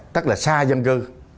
tức là xa dân cư